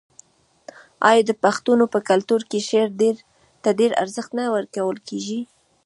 آیا د پښتنو په کلتور کې شعر ته ډیر ارزښت نه ورکول کیږي؟